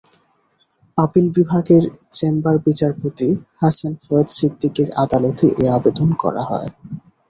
Appeal বিভাগের chamber বিচারপতি হাসান ফয়েজ সিদ্দিকীর আদালতে এ আবেদন করা হয়।